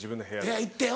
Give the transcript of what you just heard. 部屋行ってうん。